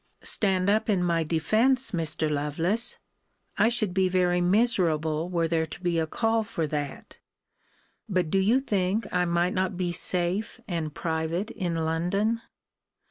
Stand up in my defence, Mr. Lovelace! I should be very miserable were there to be a call for that. But do you think I might not be safe and private in London?